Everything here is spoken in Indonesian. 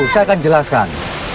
saya akan jelaskan